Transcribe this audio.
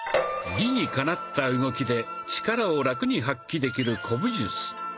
理にかなった動きで力をラクに発揮できる古武術。